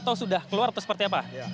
atau sudah keluar atau seperti apa